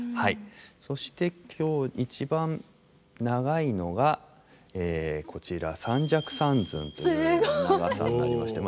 そして今日一番長いのがこちら三尺三寸という長さになりまして。